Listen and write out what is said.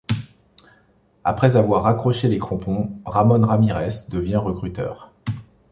Après avoir raccrocher les crampons, Ramón Ramírez devient recruteur.